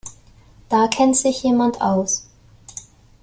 Da kennt sich jemand aus.